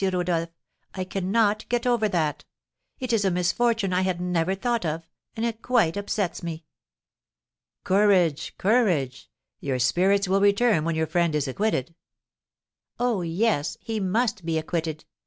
Rodolph, I cannot get over that; it is a misfortune I had never thought of, and it quite upsets me." "Courage, courage! Your spirits will return when your friend is acquitted." "Oh, yes, he must be acquitted.